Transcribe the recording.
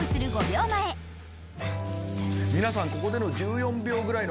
皆さんここでの１４秒ぐらいのコメント